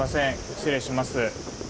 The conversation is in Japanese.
失礼します。